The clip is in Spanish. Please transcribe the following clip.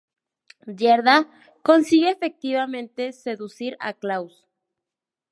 Gerda consigue efectivamente seducir a Klaus.